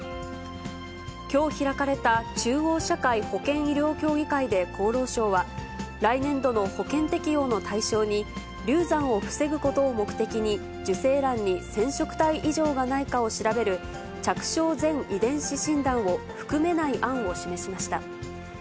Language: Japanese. きょう開かれた中央社会保険医療協議会で厚労省は、来年度の保険適用の対象に、流産を防ぐことを目的に、受精卵に染色体異常がないかを調べる、着床前遺伝子診断を含めない案を示しました。